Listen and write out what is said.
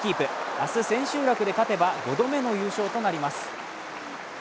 明日千秋楽で勝てば５度目の優勝となります。